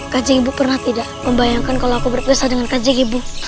kanjing ibu pernah tidak membayangkan kalau aku berpesa dengan kanjing ibu